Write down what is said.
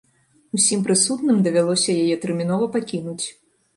Усім прысутным давялося яе тэрмінова пакінуць.